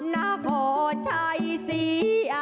น่าพอชัยซี